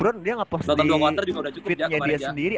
notaswap dua counter juga udah cukup